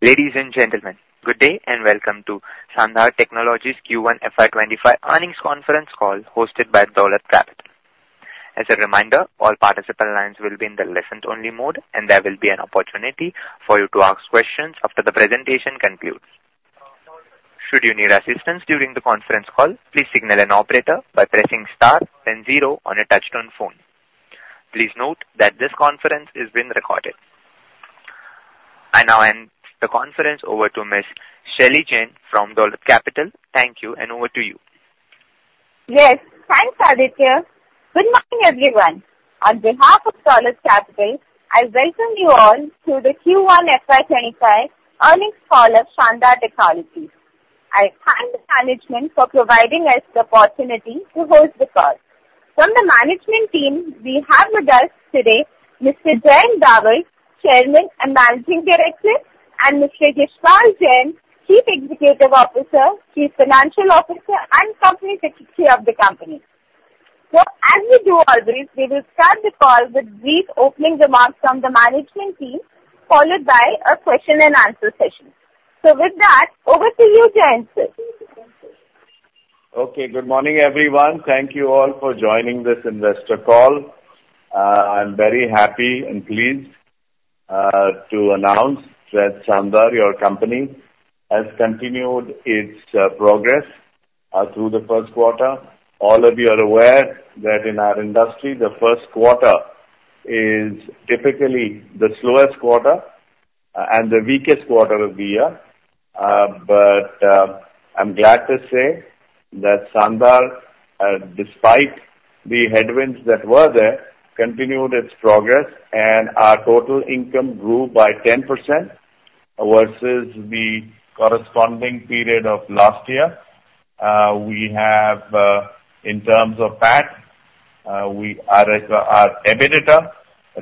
Ladies and gentlemen, good day, and welcome to Sandhar Technologies Q1 FY 2025 earnings conference call, hosted by Dolat Capital. As a reminder, all participant lines will be in the listen-only mode, and there will be an opportunity for you to ask questions after the presentation concludes. Should you need assistance during the conference call, please signal an operator by pressing star then zero on your touchtone phone. Please note that this conference is being recorded. I now hand the conference over to Ms. Shaily Jain from Dolat Capital. Thank you, and over to you. Yes, thanks, Aditya. Good morning, everyone. On behalf of Dolat Capital, I welcome you all to the Q1 FY 2025 earnings call of Sandhar Technologies. I thank the management for providing us the opportunity to host the call. From the management team, we have with us today Mr. Jayant Davar, Chairman and Managing Director, and Mr. Yashpal Jain, Chief Executive Officer, Chief Financial Officer, and Company Secretary of the company. So as we do always, we will start the call with brief opening remarks from the management team, followed by a question and answer session. So with that, over to you, Jayant, sir. Okay, good morning, everyone. Thank you all for joining this investor call. I'm very happy and pleased to announce that Sandhar, your company, has continued its progress through the first quarter. All of you are aware that in our industry, the first quarter is typically the slowest quarter and the weakest quarter of the year. But, I'm glad to say that Sandhar, despite the headwinds that were there, continued its progress, and our total income grew by 10% versus the corresponding period of last year. We have, in terms of PAT, our EBITDA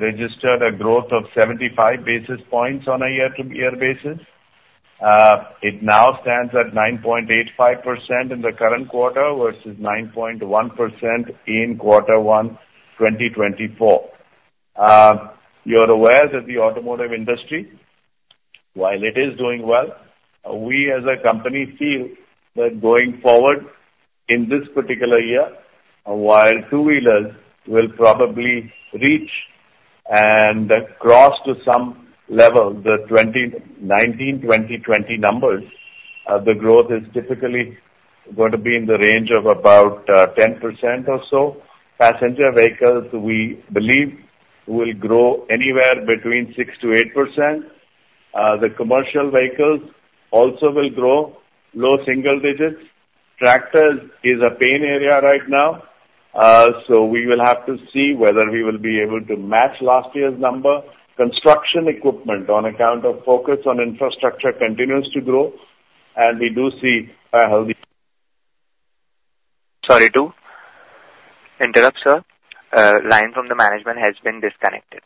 registered a growth of 75 basis points on a year-to-year basis. It now stands at 9.85% in the current quarter versus 9.1% in quarter one, 2024. You're aware that the automotive industry, while it is doing well, we as a company feel that going forward in this particular year, while two-wheelers will probably reach and cross to some level the 2019-2020 numbers, the growth is typically going to be in the range of about 10% or so. Passenger vehicles, we believe, will grow anywhere between 6%-8%. The commercial vehicles also will grow, low single digits. Tractors is a pain area right now. So we will have to see whether we will be able to match last year's number. Construction equipment, on account of focus on infrastructure, continues to grow, and we do see a healthy- Sorry to interrupt, sir. Line from the management has been disconnected.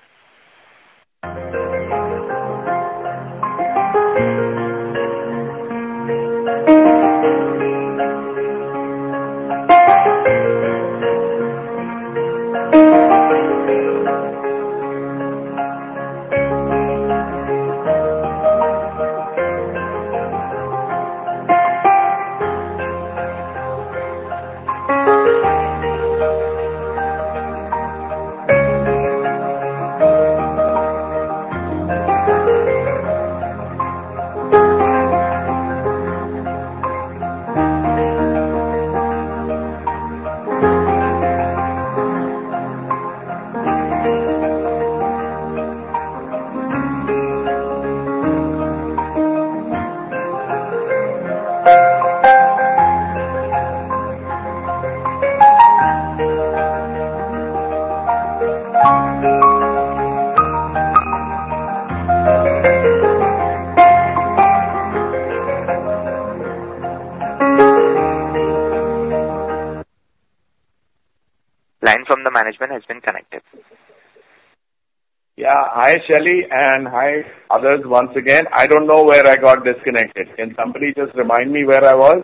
Line from the management has been connected. Yeah. Hi, Shaily, and hi, others, once again. I don't know where I got disconnected. Can somebody just remind me where I was?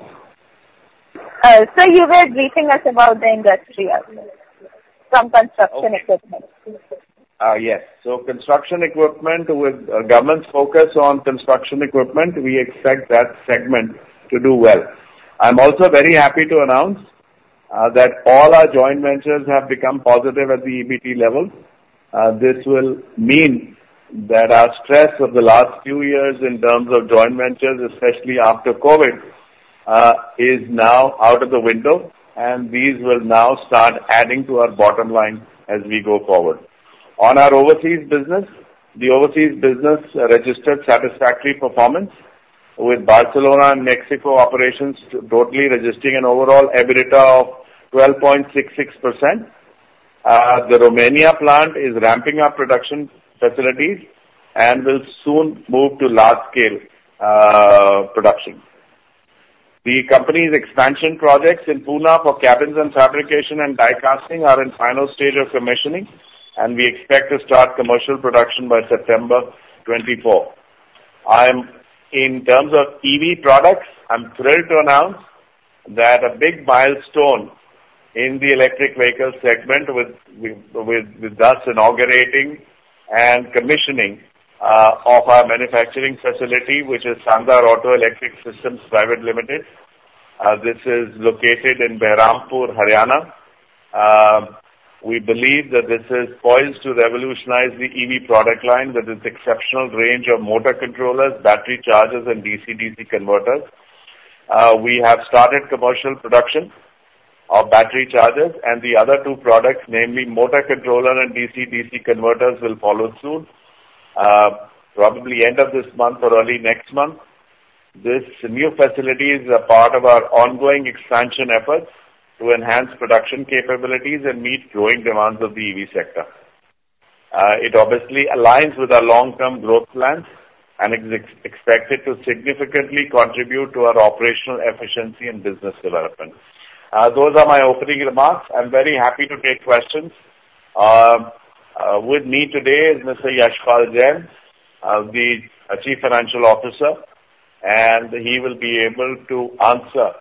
You were briefing us about the industry update from construction equipment. Yes. So construction equipment, with government's focus on construction equipment, we expect that segment to do well. I'm also very happy to announce that all our joint ventures have become positive at the EBT level. This will mean that our stress of the last few years in terms of joint ventures, especially after COVID, is now out of the window, and these will now start adding to our bottom line as we go forward. On our overseas business, the overseas business registered satisfactory performance, with Barcelona and Mexico operations totally registering an overall EBITDA of 12.66%. The Romania plant is ramping up production facilities and will soon move to large-scale production. The company's expansion projects in Pune for cabins and fabrication and die casting are in final stage of commissioning, and we expect to start commercial production by September 2024. In terms of EV products, I'm thrilled to announce that a big milestone in the electric vehicle segment with us inaugurating and commissioning of our manufacturing facility, which is Sandhar Auto Electric Solutions Private Limited. This is located in Bahadurgarh, Haryana. We believe that this is poised to revolutionize the EV product line with its exceptional range of motor controllers, battery chargers, and DC-DC converters. We have started commercial production of battery chargers, and the other two products, namely motor controller and DC-DC converters, will follow soon, probably end of this month or early next month. This new facility is a part of our ongoing expansion efforts to enhance production capabilities and meet growing demands of the EV sector. It obviously aligns with our long-term growth plans and is expected to significantly contribute to our operational efficiency and business development. Those are my opening remarks. I'm very happy to take questions. With me today is Mr. Yashpal Jain, the Chief Financial Officer, and he will be able to answer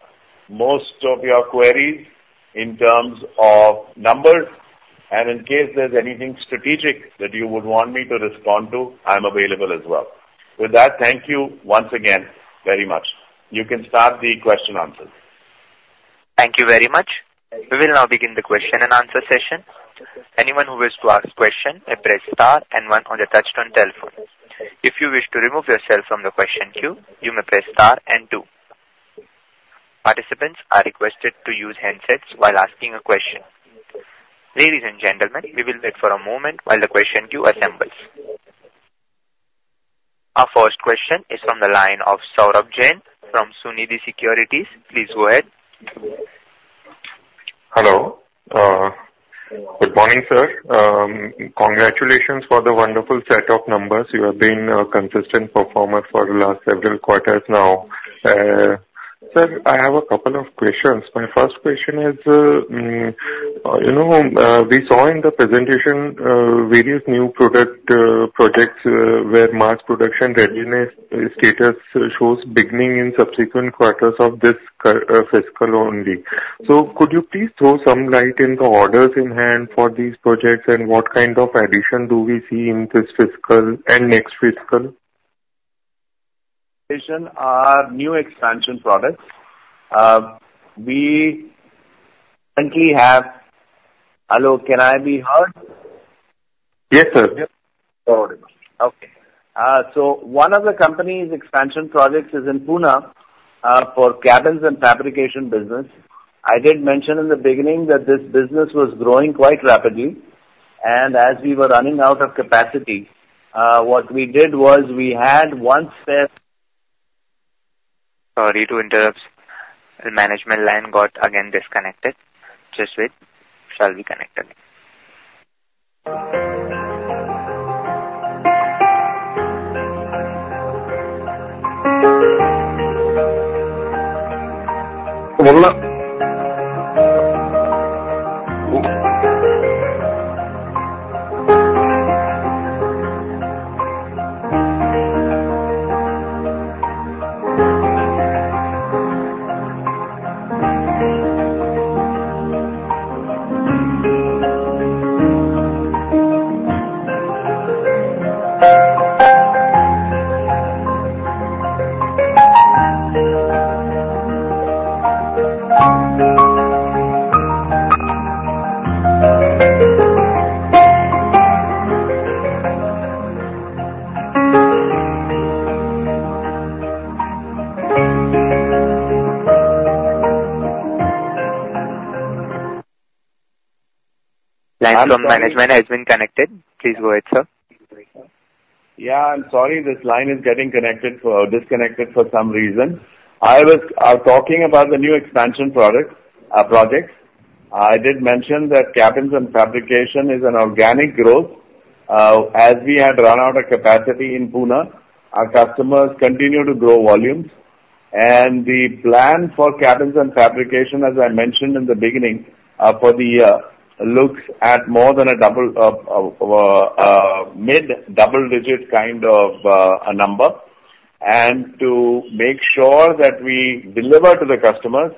most of your queries in terms of numbers. In case there's anything strategic that you would want me to respond to, I'm available as well. With that, thank you once again very much. You can start the question/answers. Thank you very much. We will now begin the question-and-answer session. Anyone who wishes to ask question may press star and one on the touch-tone telephone. If you wish to remove yourself from the question queue, you may press star and two. Participants are requested to use handsets while asking a question. Ladies and gentlemen, we will wait for a moment while the question queue assembles. Our first question is from the line of Saurabh Jain from Sunidhi Securities. Please go ahead. Hello. Good morning, sir. Congratulations for the wonderful set of numbers. You have been a consistent performer for the last several quarters now. Sir, I have a couple of questions. My first question is, you know, we saw in the presentation, various new product projects, where mass production readiness status shows beginning in subsequent quarters of this current fiscal only. So could you please throw some light in the orders in hand for these projects, and what kind of addition do we see in this fiscal and next fiscal? Are new expansion products. We currently have... Hello, can I be heard? Yes, sir. Very much. Okay. So one of the company's expansion projects is in Pune for cabins and fabrication business. I did mention in the beginning that this business was growing quite rapidly, and as we were running out of capacity, what we did was we had one step- Sorry to interrupt. The management line got again disconnected. Just wait, shall be connected again. Line from management has been connected. Please go ahead, sir. Yeah, I'm sorry this line is getting disconnected for some reason. I was talking about the new expansion product projects. I did mention that cabins and fabrication is an organic growth. As we had run out of capacity in Pune, our customers continue to grow volumes. And the plan for cabins and fabrication, as I mentioned in the beginning, for the year, looks at more than a double, mid-double digit kind of, a number. And to make sure that we deliver to the customers,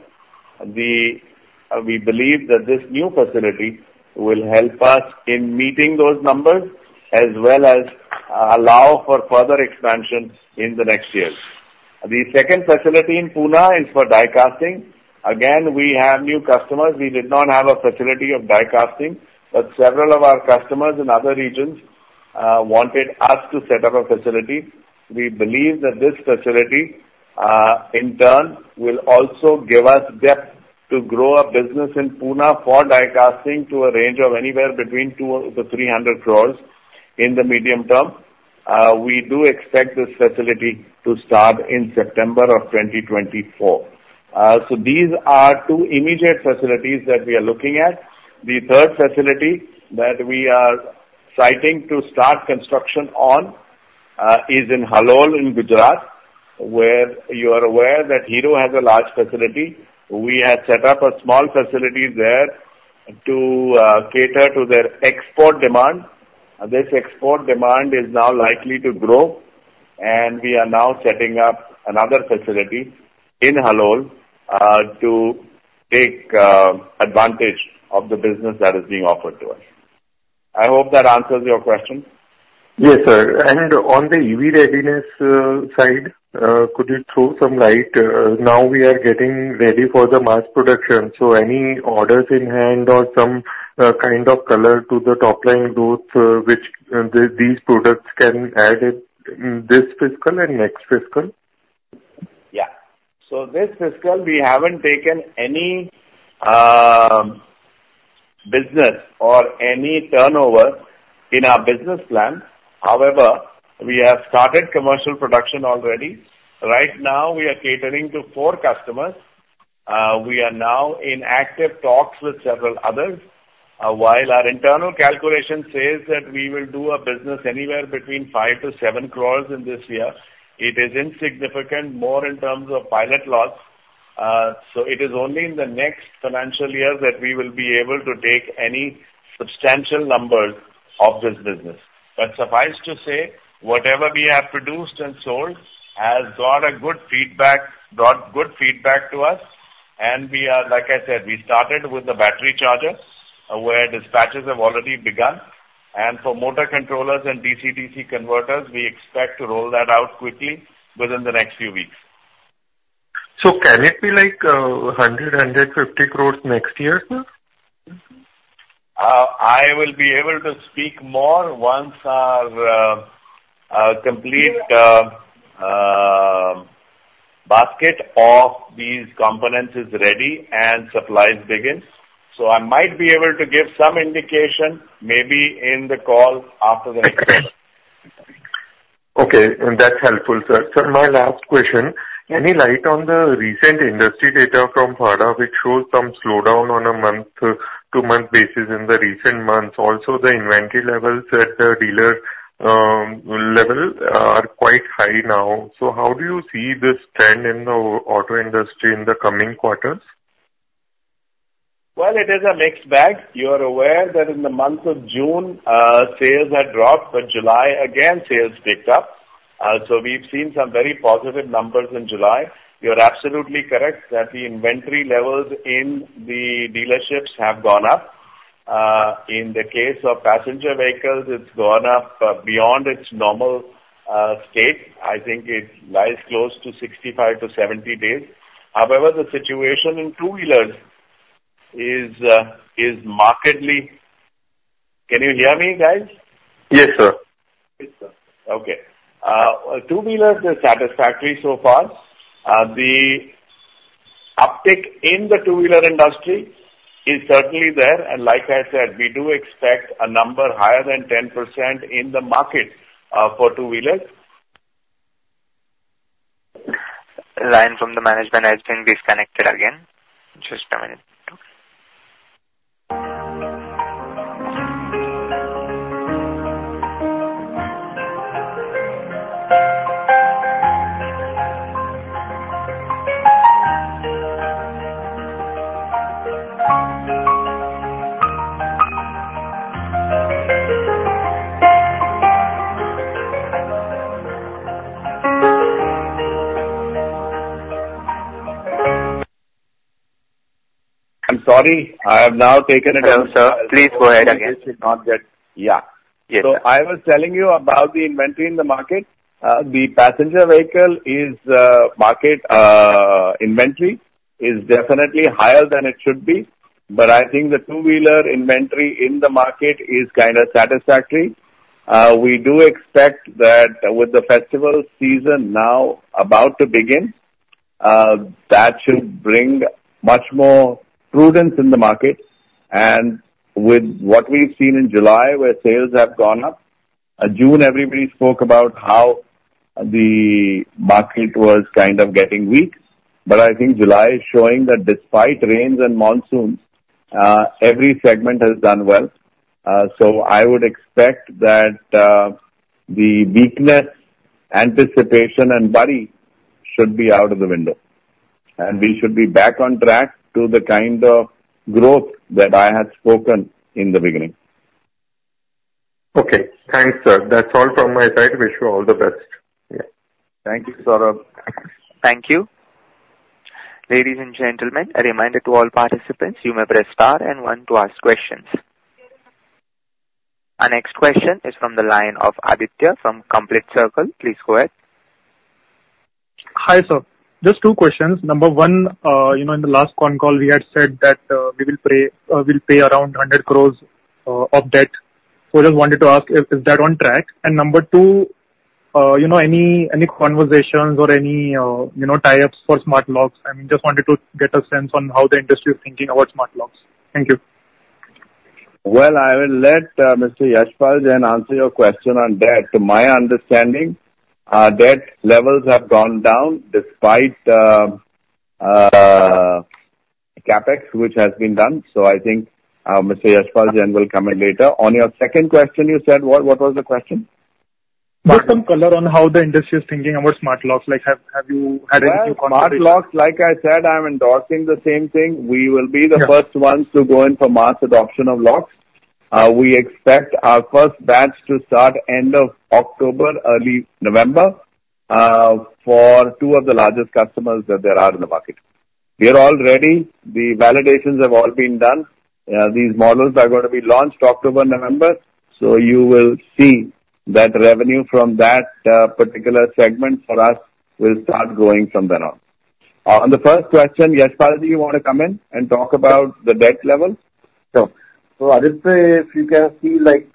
we believe that this new facility will help us in meeting those numbers, as well as, allow for further expansion in the next years. The second facility in Pune is for die casting. Again, we have new customers. We did not have a facility of die casting, but several of our customers in other regions wanted us to set up a facility. We believe that this facility, in turn, will also give us depth to grow our business in Pune for die casting to a range of anywhere between 200-300 crores in the medium term. We do expect this facility to start in September of 2024. So these are two immediate facilities that we are looking at. The third facility that we are siting to start construction on is in Halol in Gujarat, where you are aware that Hero has a large facility. We had set up a small facility there to cater to their export demand. This export demand is now likely to grow. We are now setting up another facility in Halol to take advantage of the business that is being offered to us. I hope that answers your question. Yes, sir. And on the EV readiness, side, could you throw some light? Now we are getting ready for the mass production, so any orders in hand or some kind of color to the top line growth, which these products can add it in this fiscal and next fiscal? Yeah. So this fiscal, we haven't taken any, business or any turnover in our business plan. However, we have started commercial production already. Right now, we are catering to four customers. We are now in active talks with several others. While our internal calculation says that we will do a business anywhere between 5 crore-7 crore in this year, it is insignificant, more in terms of pilot lots. So it is only in the next financial year that we will be able to take any substantial numbers of this business. Suffice to say, whatever we have produced and sold has got a good feedback, brought good feedback to us, and we are, like I said, we started with the battery charger, where dispatches have already begun, and for motor controllers and DC-DC converters, we expect to roll that out quickly within the next few weeks. Can it be like 100-150 crore next year, sir? I will be able to speak more once our, our complete basket of these components is ready and supplies begins. So I might be able to give some indication maybe in the call after the next quarter. Okay, and that's helpful, sir. So my last question: Any light on the recent industry data from FADA, which shows some slowdown on a month-to-month basis in the recent months? Also, the inventory levels at the dealer level are quite high now. So how do you see this trend in the auto industry in the coming quarters? Well, it is a mixed bag. You are aware that in the month of June, sales had dropped, but July again, sales picked up. So we've seen some very positive numbers in July. You're absolutely correct that the inventory levels in the dealerships have gone up. In the case of passenger vehicles, it's gone up beyond its normal state. I think it lies close to 65-70 days. However, the situation in two-wheelers is markedly... Can you hear me, guys? Yes, sir. Yes, sir. Okay. Two-wheelers are satisfactory so far. The uptick in the two-wheeler industry is certainly there, and like I said, we do expect a number higher than 10% in the market, for two-wheelers. Line from the management has been disconnected again. Just a minute. I'm sorry. I have now taken. No, sir. Please go ahead again. Not yet. Yeah. Yes, sir. So I was telling you about the inventory in the market. The passenger vehicle market inventory is definitely higher than it should be, but I think the two-wheeler inventory in the market is kind of satisfactory. We do expect that with the festival season now about to begin, that should bring much more prudence in the market. And with what we've seen in July, where sales have gone up, June, everybody spoke about how the market was kind of getting weak, but I think July is showing that despite rains and monsoons, every segment has done well. So I would expect that the weakness, anticipation and worry should be out of the window, and we should be back on track to the kind of growth that I had spoken in the beginning. Okay. Thanks, sir. That's all from my side. Wish you all the best. Yeah. Thank you, Saurabh. Thank you. Ladies and gentlemen, a reminder to all participants, you may press Star and One to ask questions. Our next question is from the line of Aditya from Complete Circle. Please go ahead. Hi, sir. Just two questions. Number one, you know, in the last con call, we had said that, we will pay, we'll pay around 100 crore of debt. So I just wanted to ask, is that on track? And number two, you know, any conversations or any tie-ups for smart locks? I mean, just wanted to get a sense on how the industry is thinking about smart locks. Thank you. Well, I will let Mr. Yashpal Jain answer your question on debt. To my understanding, our debt levels have gone down despite CapEx, which has been done, so I think Mr. Yashpal Jain will comment later. On your second question, you said what? What was the question? Just some color on how the industry is thinking about smart locks. Like, have you had any conversations? Yeah, Smart locks, like I said, I'm endorsing the same thing. We will be- Yeah. -the first ones to go in for mass adoption of locks. We expect our first batch to start end of October, early November, for two of the largest customers that there are in the market. We are all ready. The validations have all been done. These models are going to be launched October, November, so you will see that revenue from that particular segment for us will start growing from then on. On the first question, Yashpal, do you want to come in and talk about the debt level? Sure. So, Aditya, if you can see, like,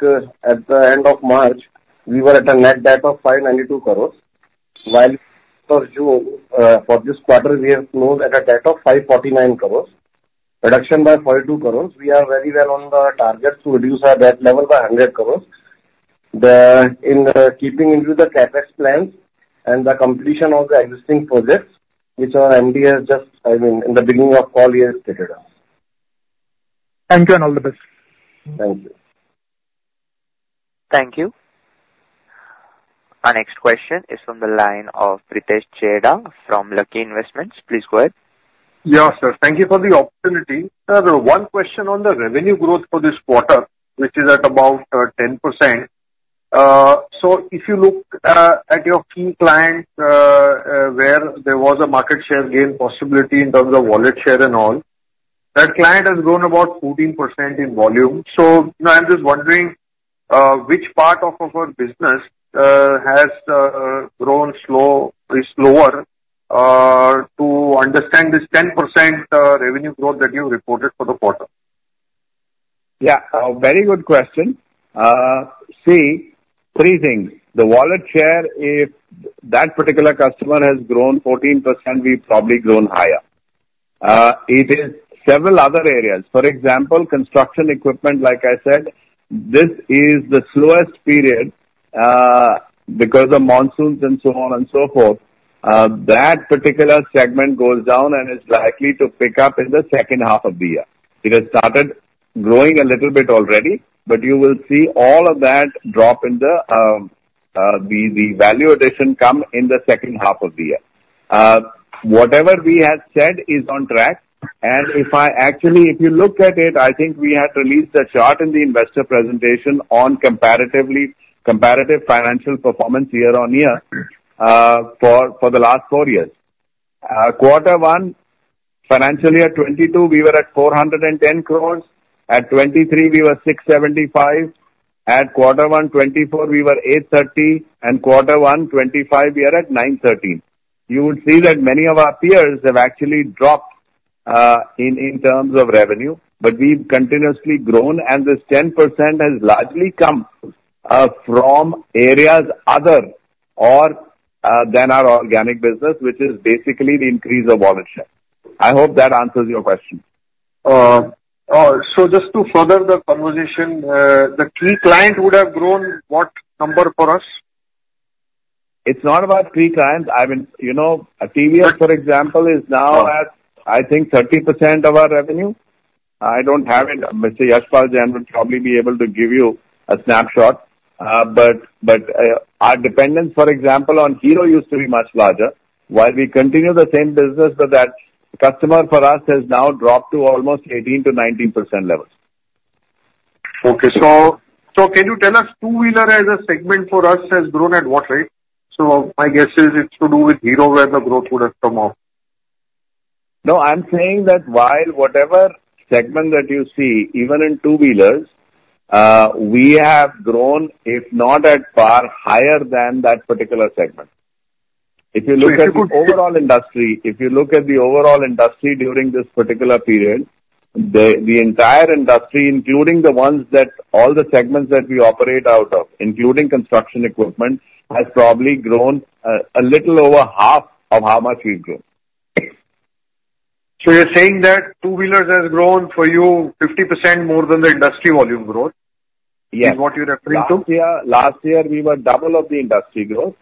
at the end of March, we were at a net debt of 592 crores, while for you, for this quarter, we have closed at a debt of 549 crores, reduction by 42 crores. We are very well on the target to reduce our debt level by 100 crores. The, in keeping into the CapEx plans and the completion of the existing projects, which our MD has just, I mean, in the beginning of call, he has stated us. Thank you, and all the best. Thank you. Thank you. Our next question is from the line of Pritesh Chheda from Lucky Investment Managers. Please go ahead. Yeah, sir. Thank you for the opportunity. Sir, one question on the revenue growth for this quarter, which is at about 10%. So if you look at your key clients, where there was a market share gain possibility in terms of wallet share and all, that client has grown about 14% in volume. So I'm just wondering, which part of our business has grown slow, is slower, to understand this 10% revenue growth that you reported for the quarter? Yeah, a very good question. See, three things. The wallet share, if that particular customer has grown 14%, we've probably grown higher. It is several other areas. For example, construction equipment, like I said, this is the slowest period, because of monsoons and so on and so forth. That particular segment goes down and is likely to pick up in the second half of the year. It has started growing a little bit already, but you will see all of that drop in the value addition come in the second half of the year. Whatever we have said is on track, and if I actually, if you look at it, I think we had released a chart in the investor presentation on comparative financial performance year-on-year, for the last four years. Quarter one, financial year 2022, we were at 410 crore, at 2023, we were 675 crore, at quarter one, 2024, we were 830 crore, and quarter one, 2025, we are at 930 crore. You would see that many of our peers have actually dropped in terms of revenue, but we've continuously grown, and this 10% has largely come from areas other than our organic business, which is basically the increase of wallet share. I hope that answers your question. Just to further the conversation, the key client would have grown what number for us? It's not about key clients. I mean, you know, TVS, for example, is now at, I think, 30% of our revenue. I don't have it. Mr. Yashpal Jain will probably be able to give you a snapshot, but our dependence, for example, on Hero used to be much larger. While we continue the same business with that customer, for us, has now dropped to almost 18%-19% levels. Okay. So, can you tell us two-wheeler as a segment for us has grown at what rate? So my guess is it's to do with Hero, where the growth would have come off. No, I'm saying that while whatever segment that you see, even in two-wheelers, we have grown, if not at par, higher than that particular segment. If you could- If you look at the overall industry, if you look at the overall industry during this particular period, the entire industry, including the ones that all the segments that we operate out of, including construction equipment, has probably grown a little over half of how much we've grown. You're saying that two-wheelers has grown for you 50% more than the industry volume growth? Yes. Is what you're referring to? Last year, last year, we were double of the industry growth.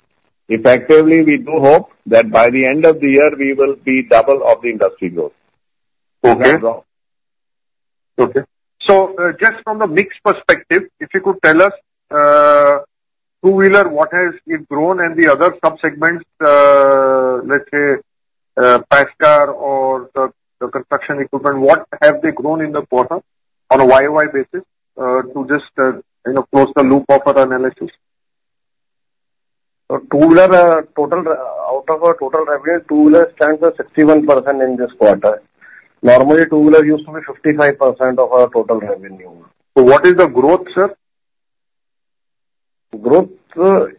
Effectively, we do hope that by the end of the year, we will be double of the industry growth. Okay. Okay. So, just from the mix perspective, if you could tell us, two-wheeler, what has it grown and the other sub-segments, let's say, Pacer or the construction equipment, what have they grown in the quarter on a YOY basis, to just, you know, close the loop of our analysis? Two-wheeler total out of our total revenue, two-wheeler stands at 61% in this quarter. Normally, two-wheeler used to be 55% of our total revenue. What is the growth, sir? Growth,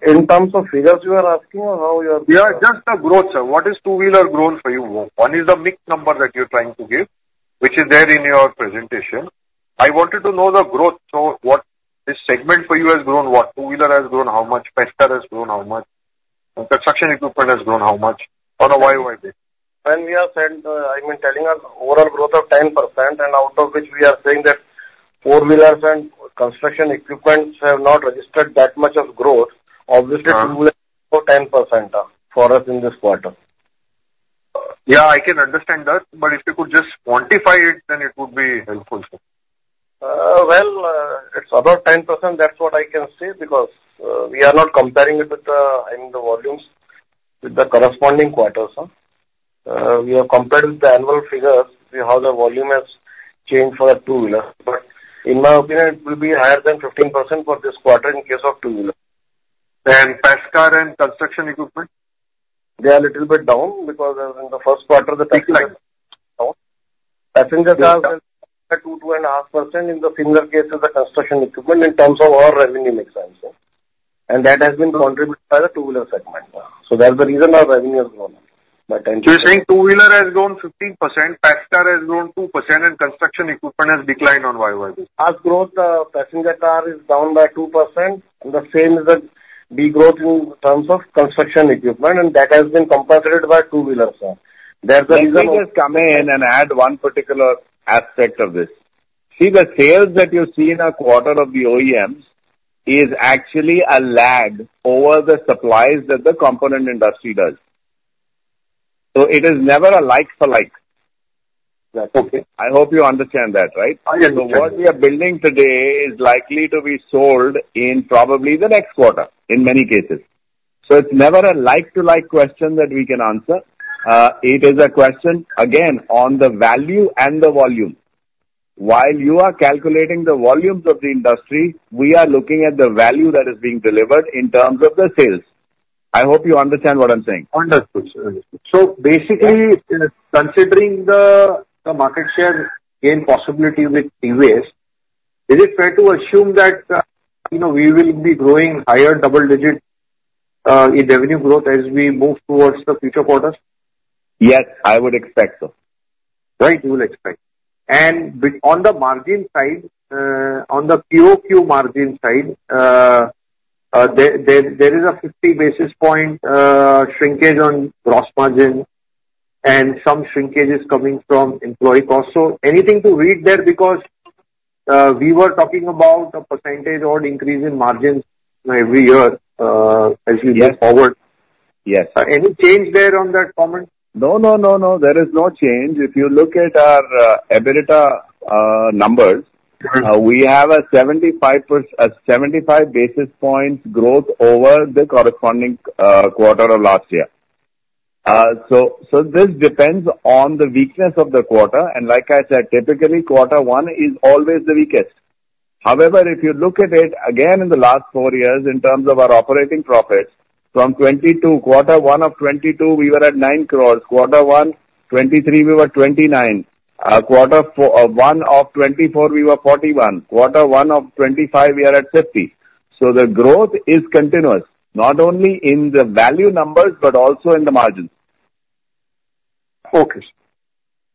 in terms of figures you are asking or how you are- Yeah, just the growth, sir. What is two-wheeler growth for you? One is the mixed number that you're trying to give, which is there in your presentation. I wanted to know the growth. So what this segment for you has grown what? Two-wheeler has grown how much, Pacer has grown how much, and construction equipment has grown how much on a year-over-year basis? When we have said, I mean, telling our overall growth of 10%, and out of which we are saying that four-wheelers and construction equipments have not registered that much of growth- Mm-hmm. Obviously, two-wheeler grow 10%, for us in this quarter. Yeah, I can understand that, but if you could just quantify it, then it would be helpful, sir. Well, it's about 10%. That's what I can say, because we are not comparing it with in the volumes with the corresponding quarters, sir. We have compared with the annual figures. The volume has changed for the two-wheeler, but in my opinion, it will be higher than 15% for this quarter in case of two-wheeler. Then passenger car and construction equipment, they are a little bit down because in the first quarter, the peak is like down. Passenger cars are 2%-2.5% in the similar case as the construction equipment in terms of our revenue mix, and so, and that has been contributed by the two-wheeler segment. So that's the reason our revenue is growing, but- You're saying two-wheeler has grown 15%, passenger car has grown 2%, and construction equipment has declined on YOY. As growth, passenger car is down by 2%, and the same is the degrowth in terms of construction equipment, and that has been compensated by two-wheelers. There's a reason- Let me just come in and add one particular aspect of this. See, the sales that you see in a quarter of the OEMs is actually a lag over the supplies that the component industry does. So it is never a like for like. That's okay. I hope you understand that, right? Oh, yes. So what we are building today is likely to be sold in probably the next quarter in many cases. So it's never a like-to-like question that we can answer. It is a question, again, on the value and the volume. While you are calculating the volumes of the industry, we are looking at the value that is being delivered in terms of the sales. I hope you understand what I'm saying. Understood. So basically, considering the market share gain possibility with TVS, is it fair to assume that, you know, we will be growing higher double digit in revenue growth as we move towards the future quarters? Yes, I would expect so. Right, you will expect. And on the margin side, on the POQ margin side, there is a 50 basis point shrinkage on gross margin and some shrinkage is coming from employee costs. So anything to read there? Because, we were talking about a percentage point increase in margins every year, as we move forward. Yes. Any change there on that comment? No, no, no, no, there is no change. If you look at our EBITDA numbers, we have a 75 basis points growth over the corresponding quarter of last year. So this depends on the weakness of the quarter, and like I said, typically, Quarter One is always the weakest. However, if you look at it again in the last four years in terms of our operating profits, from 2022, Quarter One of 2022, we were at 9 crore. Quarter One 2023, we were 29 crore. Quarter One of 2024, we were 41 crore. Quarter One of 2025, we are at 50 crore. So the growth is continuous, not only in the value numbers but also in the margins. Okay.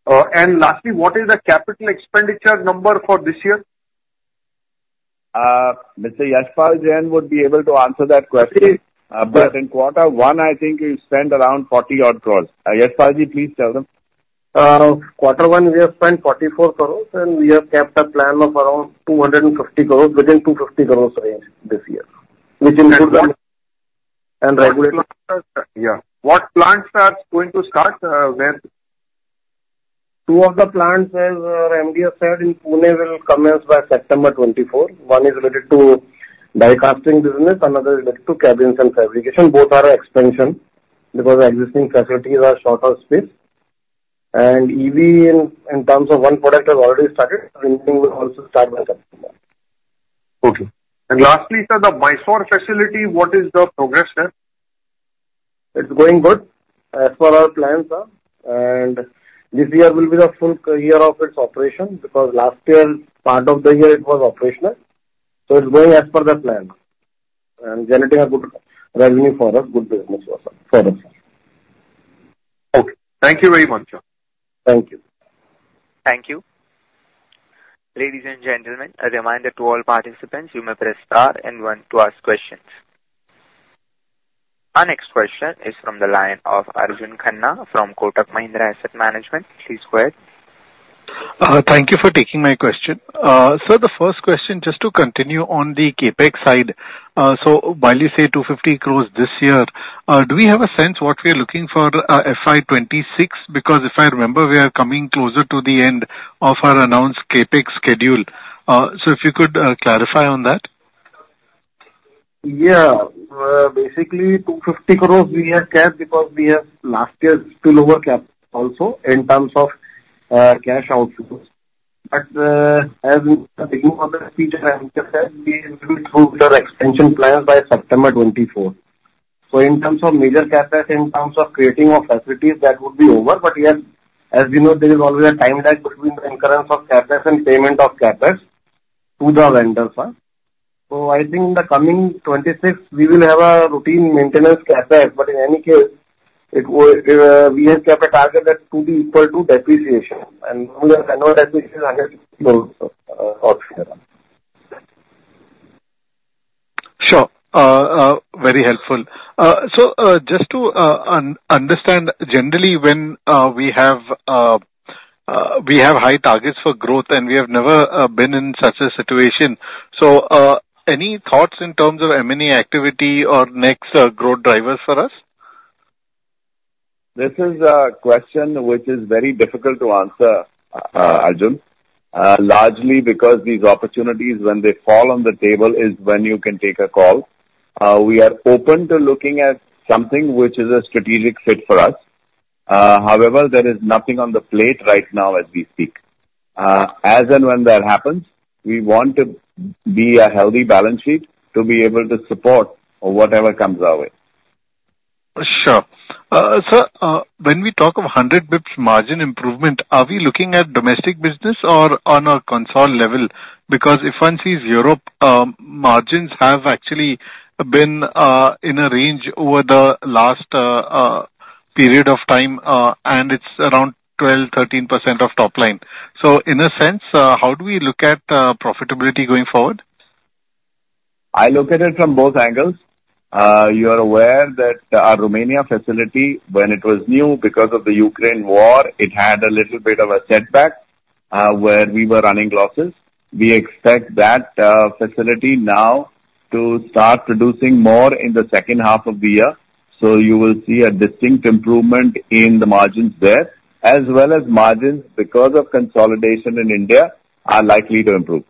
And lastly, what is the capital expenditure number for this year? Mr. Yashpal Jain would be able to answer that question. Okay. But in Quarter One, I think we spent around 40-odd crores. Yashpal, please tell them. Quarter One, we have spent 44 crore, and we have kept a plan of around 250 crore, within 250 crore range this year, which includes the... Regular. Yeah. What plants are going to start, where? Two of the plants, as our MD has said, in Pune, will commence by September 2024. One is related to die casting business, another is related to cabins and fabrication. Both are expansion, because existing facilities are short of space. EV, in, in terms of one product, has already started, and everything will also start by September. Okay. Lastly, sir, the Mysore facility, what is the progress there? It's going good, as per our plans, and this year will be the full-year of its operation, because last year, part of the year it was operational. So it's going as per the plan and generating a good revenue for us, good business also for us. Okay. Thank you very much, sir. Thank you. Thank you. Ladies and gentlemen, a reminder to all participants, you may press star and one to ask questions. Our next question is from the line of Arjun Khanna from Kotak Mahindra Asset Management. Please go ahead. Thank you for taking my question. So the first question, just to continue on the CapEx side. So while you say 250 crore this year, do we have a sense what we are looking for, FY 2026? Because if I remember, we are coming closer to the end of our announced CapEx schedule. So if you could, clarify on that. Yeah. Basically, 250 crores we have kept because we have last year's spillover cap also in terms of, cash outflows. But, as the beginning of the future, I have just said, we will improve their expansion plans by September 2024. So in terms of major CapEx, in terms of creating of facilities, that would be over. But yes, as we know, there is always a time lag between the incurrence of CapEx and payment of CapEx to the vendors. So I think the coming 2026, we will have a routine maintenance CapEx, but in any case, it will, we have kept a target that to be equal to depreciation, and we have annual depreciation, 100 crores. Sure. Very helpful. So, just to understand, generally when we have high targets for growth, and we have never been in such a situation. So, any thoughts in terms of M&A activity or next growth drivers for us? This is a question which is very difficult to answer, Arjun. Largely because these opportunities, when they fall on the table, is when you can take a call. We are open to looking at something which is a strategic fit for us. However, there is nothing on the plate right now as we speak. As and when that happens, we want to be a healthy balance sheet to be able to support whatever comes our way. Sure. Sir, when we talk of 100 basis points margin improvement, are we looking at domestic business or on a consolidated level? Because if one sees Europe, margins have actually been in a range over the last period of time, and it's around 12%-13% of top line. So in a sense, how do we look at profitability going forward? I look at it from both angles. You are aware that our Romania facility, when it was new, because of the Ukraine war, it had a little bit of a setback, where we were running losses. We expect that facility now to start producing more in the second half of the year. So you will see a distinct improvement in the margins there, as well as margins, because of consolidation in India, are likely to improve.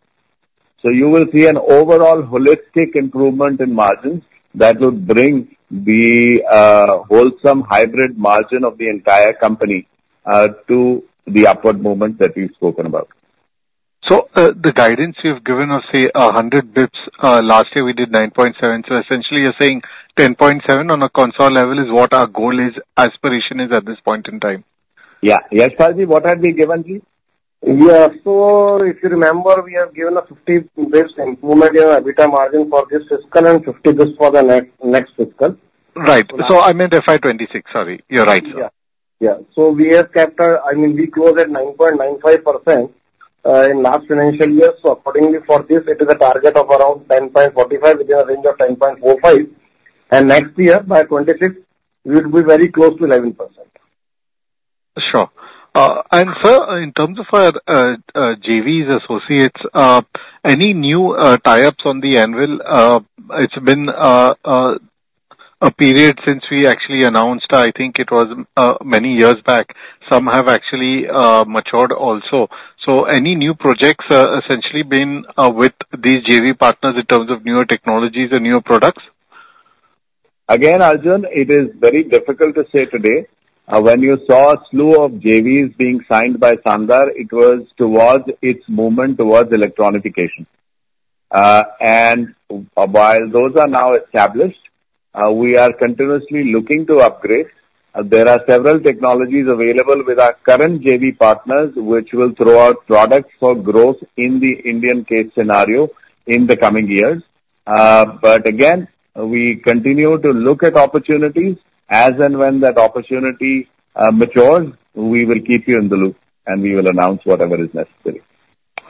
So you will see an overall holistic improvement in margins that will bring the, wholesome hybrid margin of the entire company, to the upward moment that we've spoken about. So, the guidance you've given us, say, 100 basis points. Last year we did 9.7. So essentially you're saying 10.7 on a consolidated level is what our goal is, aspiration is, at this point in time? Yeah. Yashpal, what had we given you? Yeah. So if you remember, we have given a 50 basis points improvement in EBITDA margin for this fiscal and 50 basis points for the next, next fiscal. Right. So I meant FY 2026. Sorry. You're right, sir. We have kept, I mean, we closed at 9.95% in last financial year. Accordingly for this, it is a target of around 10.45 within a range of 10.45, and next year, by 2026, we will be very close to 11%. Sure. And sir, in terms of our JVs associates, any new tie-ups on the annual, it's been a period since we actually announced, I think it was many years back. Some have actually matured also. So any new projects essentially been with these JV partners in terms of newer technologies and newer products? Again, Arjun, it is very difficult to say today. When you saw a slew of JVs being signed by Sandhar, it was towards its movement towards electronification. And while those are now established, we are continuously looking to upgrade. There are several technologies available with our current JV partners, which will throw out products for growth in the Indian case scenario in the coming years. But again, we continue to look at opportunities. As and when that opportunity matures, we will keep you in the loop, and we will announce whatever is necessary.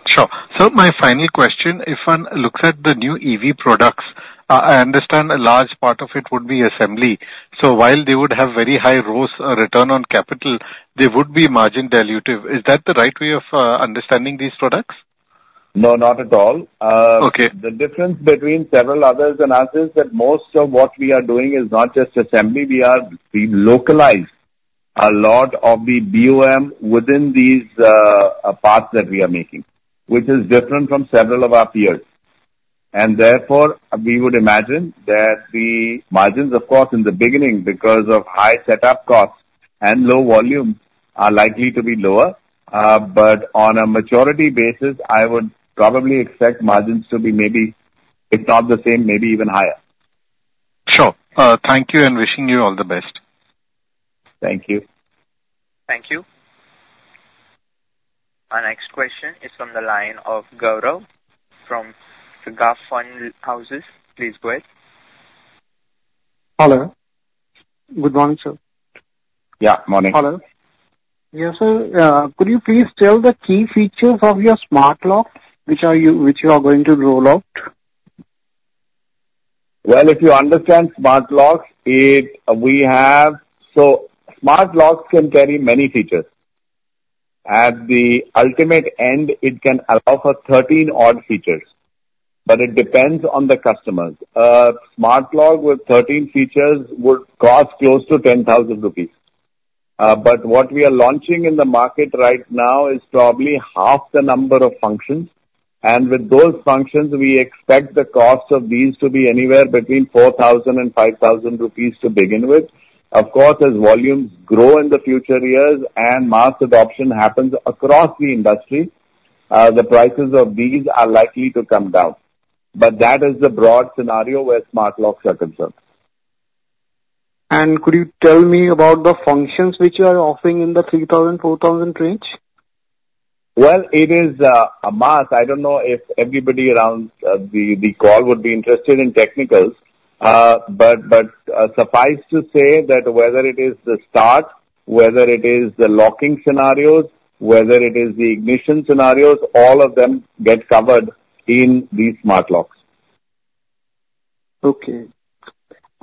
Sure. So my final question, if one looks at the new EV products, I understand a large part of it would be assembly. So while they would have very high ROCE, return on capital, they would be margin dilutive. Is that the right way of understanding these products? No, not at all. Okay. The difference between several others and us is that most of what we are doing is not just assembly. We are, we localize a lot of the BOM within these, parts that we are making, which is different from several of our peers. And therefore, we would imagine that the margins, of course, in the beginning, because of high setup costs and low volume, are likely to be lower. But on a maturity basis, I would probably expect margins to be maybe if not the same, maybe even higher. Sure. Thank you and wishing you all the best. Thank you. Thank you. Our next question is from the line of Gaurav from the Garner Houses. Please go ahead. Hello. Good morning, sir. Yeah, morning. Hello. Yeah, so, could you please tell the key features of your smart lock, which you are going to roll out? Well, if you understand smart locks, so smart locks can carry many features. At the ultimate end, it can allow for 13 odd features, but it depends on the customers. Smart lock with 13 features would cost close to 10,000 rupees. But what we are launching in the market right now is probably half the number of functions, and with those functions, we expect the cost of these to be anywhere between 4,000 and 5,000 rupees to begin with. Of course, as volumes grow in the future years and mass adoption happens across the industry, the prices of these are likely to come down. But that is the broad scenario where smart locks are concerned. Could you tell me about the functions which you are offering in the 3,000-4,000 range? Well, it is a mass. I don't know if everybody around the call would be interested in technicals, but suffice to say that whether it is the start, whether it is the locking scenarios, whether it is the ignition scenarios, all of them get covered in these smart locks. Okay.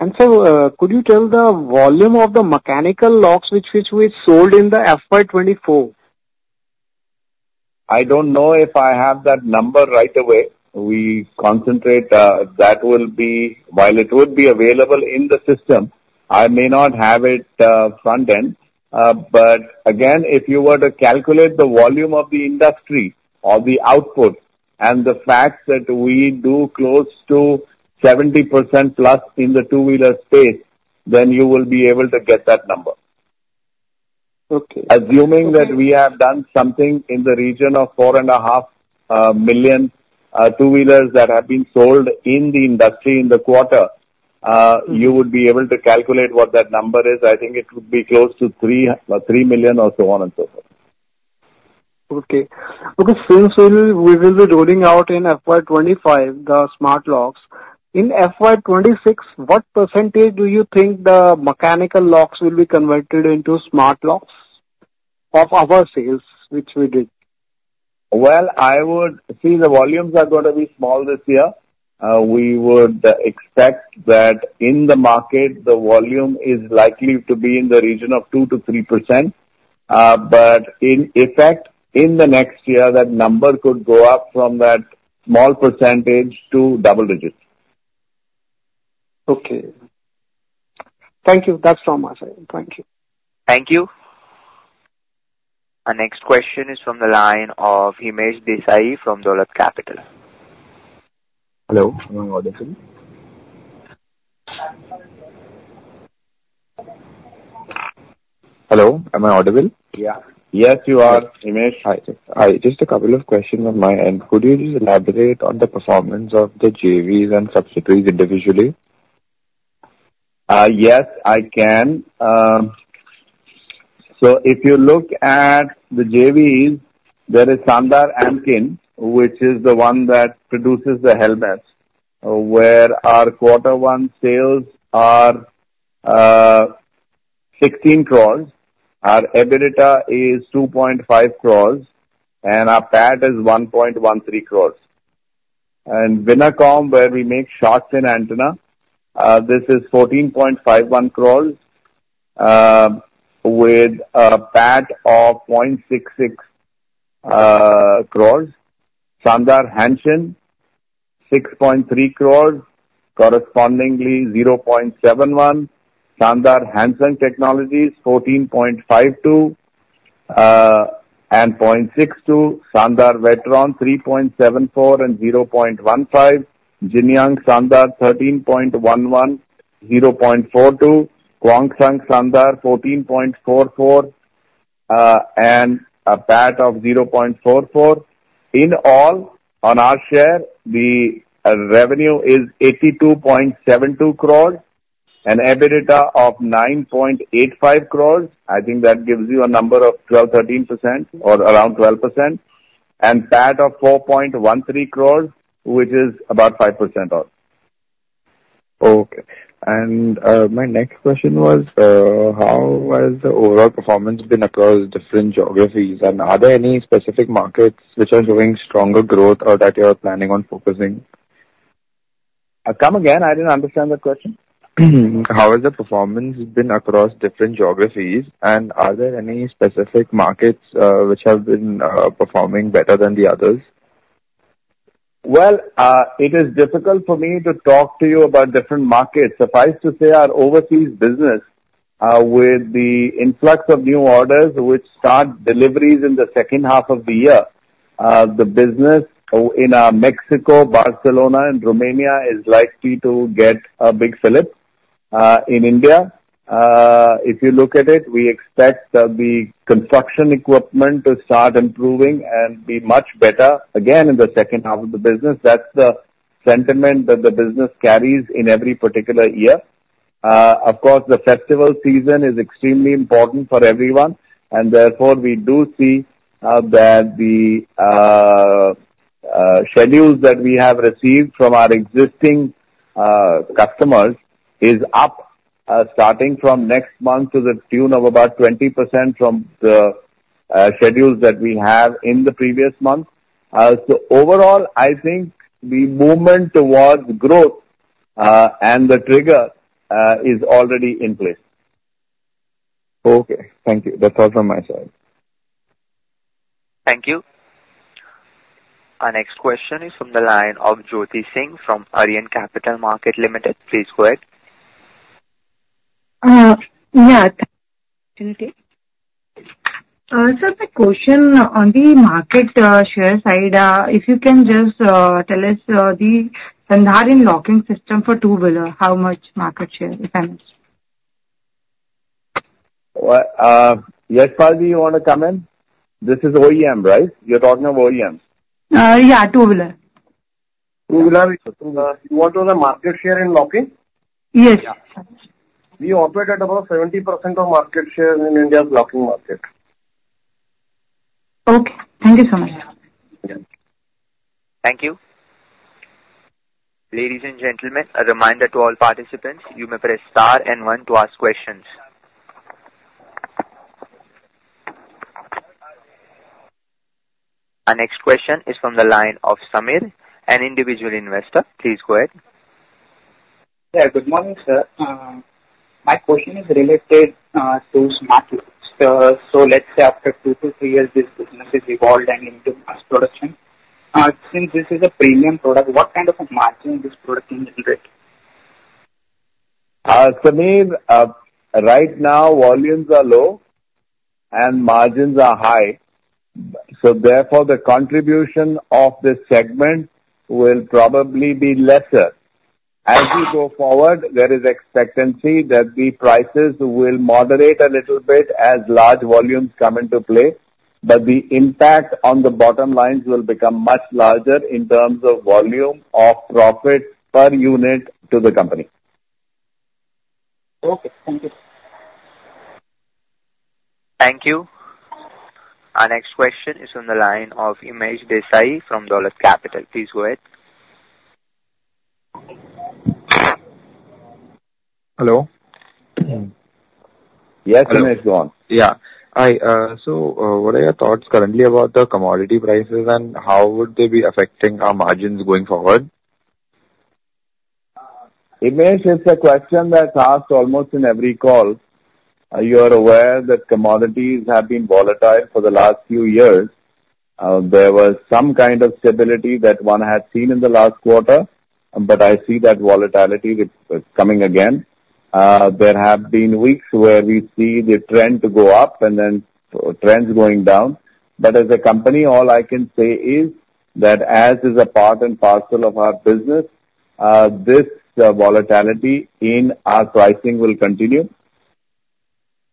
Could you tell the volume of the mechanical locks which we sold in the FY 2024? I don't know if I have that number right away. We concentrate. While it would be available in the system, I may not have it front-end. But again, if you were to calculate the volume of the industry or the output, and the fact that we do close to 70% plus in the two-wheeler space, then you will be able to get that number. Okay. Assuming that we have done something in the region of 4.5 million two-wheelers that have been sold in the industry in the quarter, you would be able to calculate what that number is. I think it would be close to 3 million or so on and so forth. Okay. Because since we will be rolling out in FY 2025, the smart locks, in FY 2026, what % do you think the mechanical locks will be converted into smart locks of our sales, which we did? Well, I would say the volumes are going to be small this year. We would expect that in the market, the volume is likely to be in the region of 2%-3%. But in effect, in the next year, that number could go up from that small percentage to double digits. Okay. Thank you. That's all my side. Thank you. Thank you. Our next question is from the line of Himesh Desai from Dolat Capital. Hello, am I audible? Hello, am I audible? Yeah. Yes, you are, Himesh. Hi. Just a couple of questions on my end. Could you elaborate on the performance of the JVs and subsidiaries individually? Yes, I can. So if you look at the JVs, there is Sandhar Amkin, which is the one that produces the helmets, where our quarter one sales are 16 crores. Our EBITDA is 2.5 crores, and our PAT is 1.13 crores. And Winnercom, where we make shark fin antennas, this is 14.51 crores, with a PAT of 0.66 crores. Sandhar Hanshin, 6.3 crores, correspondingly 0.71. Sandhar Hansung Technologies, 14.52, and 0.62. Sandhar Whetron, 3.74 and 0.15. Jinyoung Sandhar, 13.11, 0.42. Kwangsung Sandhar, 14.44, and a PAT of 0.44. In all, on our share, the revenue is 82.72 crores and EBITDA of 9.85 crores. I think that gives you a number of 12-13% or around 12%, and PAT of 4.13 crores, which is about 5% off. Okay. And, my next question was, how has the overall performance been across different geographies? And are there any specific markets which are showing stronger growth or that you are planning on focusing? Come again? I didn't understand that question. How has the performance been across different geographies, and are there any specific markets performing better than the others? Well, it is difficult for me to talk to you about different markets. Suffice to say, our overseas business, with the influx of new orders which start deliveries in the second half of the year, the business, in Mexico, Barcelona and Romania is likely to get a big flip. In India, if you look at it, we expect the construction equipment to start improving and be much better again in the second half of the business. That's the sentiment that the business carries in every particular year. Of course, the festival season is extremely important for everyone, and therefore, we do see, that the, schedules that we have received from our existing, customers is up, starting from next month to the tune of about 20% from the, schedules that we have in the previous month. So overall, I think the movement towards growth, and the trigger, is already in place. Okay. Thank you. That's all from my side. Thank you. Our next question is from the line of Jyoti Singh from Arihant Capital Markets Limited. Please go ahead. Yeah. Sir, the question on the market share side, if you can just tell us, the Sandhar in locking system for two-wheeler, how much market share it has? Well, Yashpal, do you want to come in? This is OEM, right? You're talking of OEM. Yeah, two-wheeler. Two-wheeler. You want to know the market share in locking? Yes. Yeah. We operate at about 70% of market share in India's locking market. Okay. Thank you so much. Yeah. Thank you. Ladies and gentlemen, a reminder to all participants, you may press Star and One to ask questions. Our next question is from the line of Samir, an individual investor. Please go ahead. Yeah, good morning, sir. My question is related to smart locks. So let's say after 2-3 years, this business is evolved and into mass production.... Since this is a premium product, what kind of a margin this product can generate? Sameer, right now, volumes are low and margins are high, so therefore, the contribution of this segment will probably be lesser. As we go forward, there is expectancy that the prices will moderate a little bit as large volumes come into play, but the impact on the bottom lines will become much larger in terms of volume of profit per unit to the company. Okay. Thank you. Thank you. Our next question is on the line of Himesh Desai from Dolat Capital. Please go ahead. Hello? Yes, Himesh, go on. Yeah. Hi, so, what are your thoughts currently about the commodity prices, and how would they be affecting our margins going forward? Himesh, it's a question that's asked almost in every call. You are aware that commodities have been volatile for the last few years. There was some kind of stability that one had seen in the last quarter, but I see that volatility with coming again. There have been weeks where we see the trend to go up and then trends going down. But as a company, all I can say is that as is a part and parcel of our business, this volatility in our pricing will continue.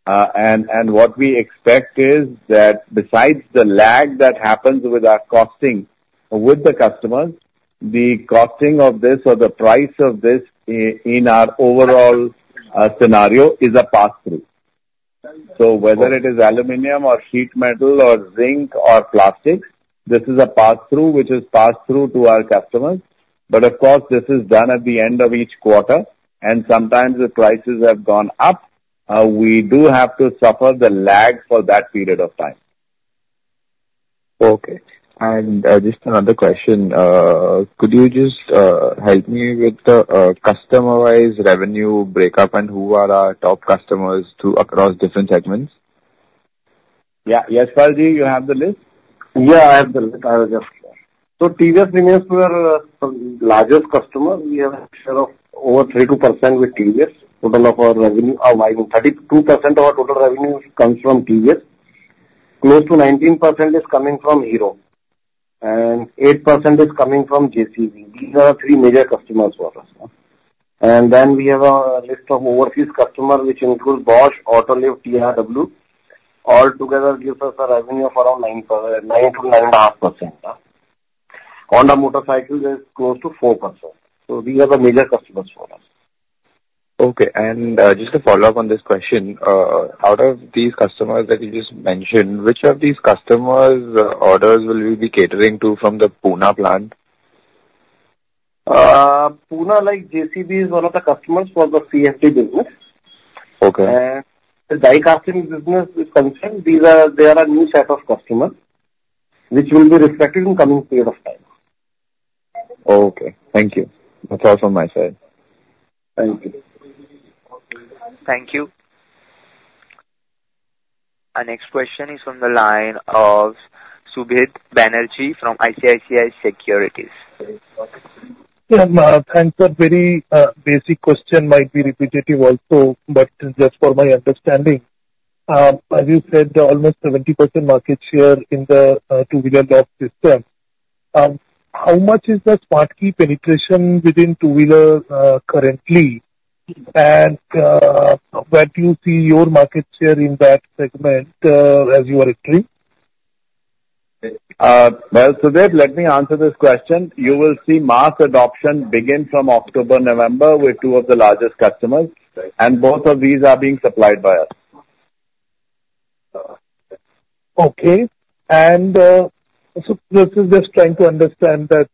And what we expect is that besides the lag that happens with our costing with the customers, the costing of this or the price of this in our overall scenario is a pass-through. So whether it is aluminum or sheet metal or zinc or plastic, this is a pass-through which is passed through to our customers. But of course, this is done at the end of each quarter, and sometimes the prices have gone up. We do have to suffer the lag for that period of time. Okay. Just another question. Could you just help me with the customer-wise revenue breakup and who are our top customers through across different segments? Yeah. Yashpal, you have the list? Yeah, I have the list. I'll just... So TVS remains our largest customer. We have a share of over 32% with TVS. Total of our revenue of, I mean, 32% of our total revenue comes from TVS. Close to 19% is coming from Hero, and 8% is coming from JCB. These are our three major customers for us. And then we have a list of overseas customers, which includes Bosch, Autoliv, TRW. Altogether, gives us a revenue of around 9%-9.5%. Honda motorcycles is close to 4%. So these are the major customers for us. Okay, and just to follow up on this question, out of these customers that you just mentioned, which of these customers' orders will you be catering to from the Pune plant? Pune, like JCB, is one of the customers for the CFD business. Okay. The die casting business is concerned, these are a new set of customers, which will be reflected in coming period of time. Okay, thank you. That's all from my side. Thank you. Thank you. Our next question is from the line of Sudip Banerjee from ICICI Securities. Yeah, thanks for very basic question, might be repetitive also, but just for my understanding. As you said, almost 70% market share in the two-wheeler lock system. How much is the smart key penetration within two-wheeler currently? And where do you see your market share in that segment as you are entering? Well, Sudeep, let me answer this question. You will see mass adoption begin from October, November, with two of the largest customers, and both of these are being supplied by us. Okay. And, so this is just trying to understand that,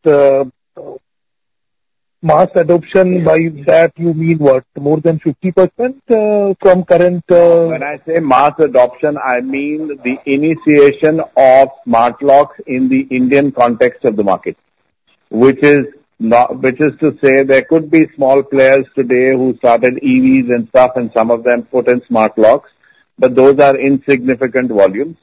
mass adoption, by that you mean what? More than 50%, from current, When I say mass adoption, I mean the initiation of smart locks in the Indian context of the market. Which is not... Which is to say, there could be small players today who started EVs and stuff, and some of them put in smart locks, but those are insignificant volumes.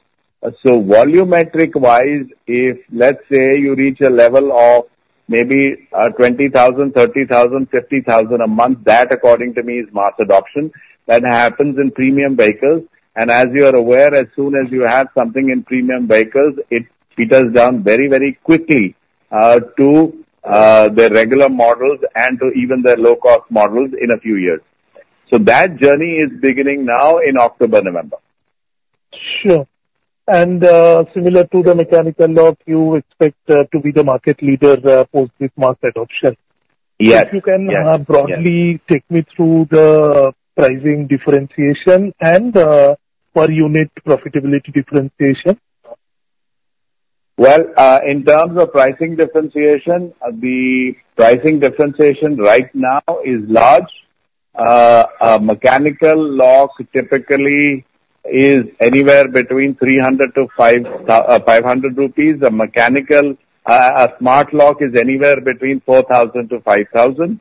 So volumetric-wise, if, let's say, you reach a level of maybe 20,000, 30,000, 50,000 a month, that according to me, is mass adoption. That happens in premium vehicles, and as you are aware, as soon as you have something in premium vehicles, it, it does down very, very quickly to the regular models and to even the low-cost models in a few years. So that journey is beginning now in October, November. Sure. Similar to the mechanical lock, you expect to be the market leader post this mass adoption? Yes. If you can, broadly take me through the pricing differentiation and, per-unit profitability differentiation. Well, in terms of pricing differentiation, the pricing differentiation right now is large. A mechanical lock typically is anywhere between 300-500 rupees. A mechanical, a smart lock is anywhere between 4,000-5,000 INR.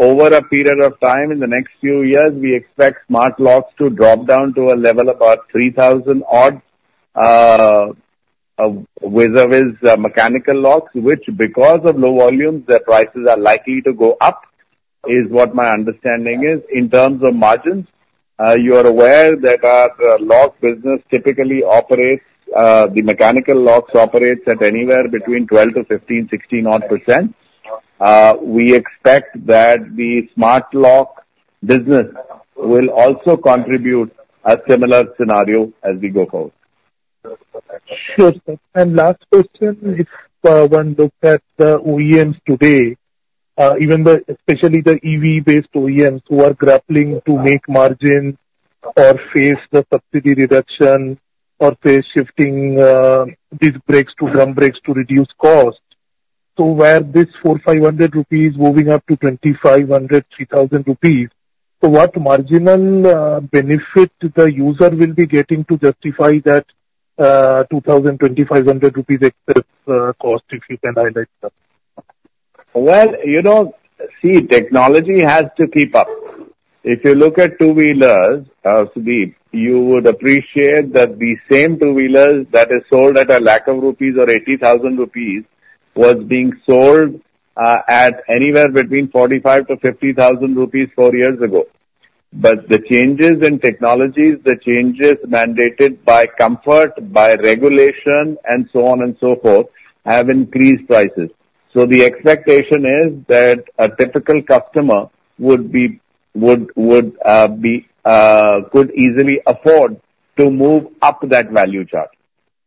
Over a period of time, in the next few years, we expect smart locks to drop down to a level about 3,000 odd INR vis-a-vis the mechanical locks, which, because of low volumes, their prices are likely to go up, is what my understanding is. In terms of margins, you are aware that our locks business typically operates, the mechanical locks operates at anywhere between 12%-16%. We expect that the smart lock business will also contribute a similar scenario as we go forward. Sure, sir. And last question, if one looks at the OEMs today, even the, especially the EV-based OEMs who are grappling to make margins or face the subsidy reduction or face shifting, disc brakes to drum brakes to reduce cost, so where this 400-500 rupees moving up to 2,500-3,000 rupees, so what marginal, benefit the user will be getting to justify that, two thousand, twenty-five hundred rupees excess, cost, if you can highlight that? Well, you know, see, technology has to keep up. If you look at two-wheelers, Sudeep, you would appreciate that the same two-wheelers that is sold at 100,000 rupees or 80,000 rupees was being sold at anywhere between 45,000-50,000 rupees four years ago. But the changes in technologies, the changes mandated by comfort, by regulation, and so on and so forth, have increased prices. So the expectation is that a typical customer would be, would, could easily afford to move up that value chart.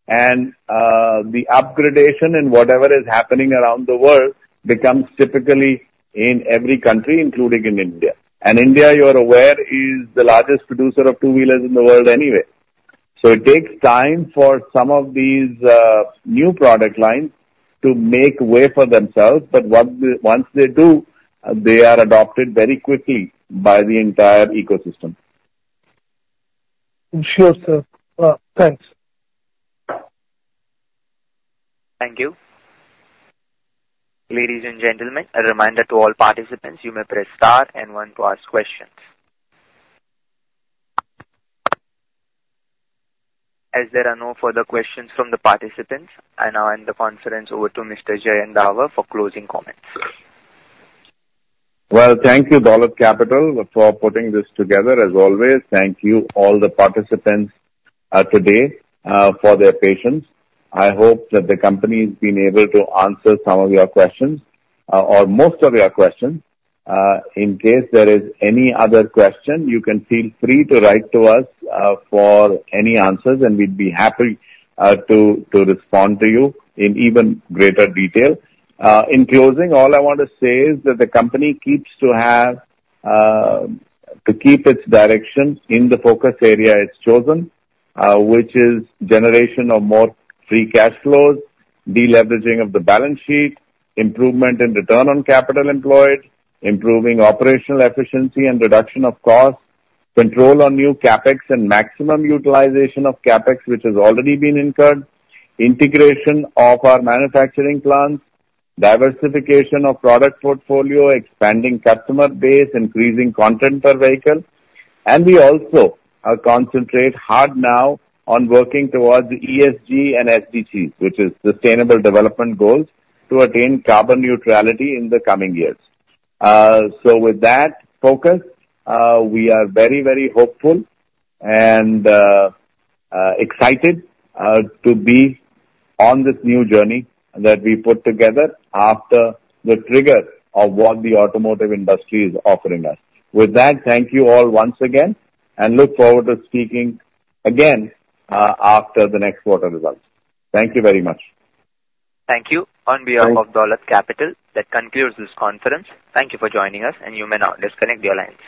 And the up-gradation in whatever is happening around the world becomes typically in every country, including in India, and India, you're aware, is the largest producer of two-wheelers in the world anyway. So it takes time for some of these new product lines to make way for themselves. But what they... Once they do, they are adopted very quickly by the entire ecosystem. Sure, sir. Thanks. Thank you. Ladies and gentlemen, a reminder to all participants, you may press star and one to ask questions. As there are no further questions from the participants, I now hand the conference over to Mr. Jayant Davar for closing comments. Well, thank you, Dolat Capital, for putting this together. As always, thank you all the participants, today, for their patience. I hope that the company's been able to answer some of your questions, or most of your questions. In case there is any other question, you can feel free to write to us, for any answers, and we'd be happy to respond to you in even greater detail. In closing, all I want to say is that the company keeps to have, to keep its direction in the focus area it's chosen, which is generation of more free cash flows, de-leveraging of the balance sheet, improvement in return on capital employed, improving operational efficiency and reduction of costs, control on new CapEx and maximum utilization of CapEx, which has already been incurred, integration of our manufacturing plants, diversification of product portfolio, expanding customer base, increasing content per vehicle, and we also, concentrate hard now on working towards the ESG and SDGs, which is sustainable development goals, to attain carbon neutrality in the coming years. So with that focus, we are very, very hopeful and, excited, to be on this new journey that we put together after the trigger of what the automotive industry is offering us. With that, thank you all once again, and look forward to speaking again, after the next quarter results. Thank you very much. Thank you. On behalf of Dolat Capital, that concludes this conference. Thank you for joining us, and you may now disconnect your lines.